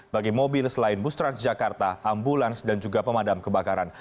bagi mobil selain bus transjakarta ambulans dan juga pemadam kebakaran